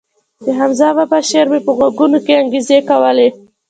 د حمزه بابا شعر مې په غوږو کښې انګازې کولې.